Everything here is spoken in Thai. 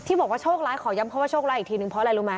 บอกว่าโชคร้ายขอย้ำคำว่าโชคร้ายอีกทีนึงเพราะอะไรรู้ไหม